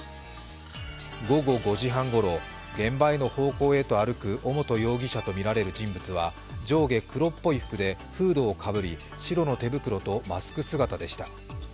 午後５時半ごろ、現場への方向へと歩く尾本容疑者とみられる人物は上下黒っぽい服でフードをかぶり白の手袋と、マスク姿でした。